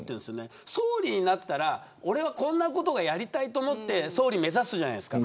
総理になったらこんなことがやりたいと思って総理、目指すじゃないですか。